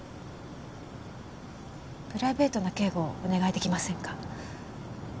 プライベートな警護をお願い出来ませんか？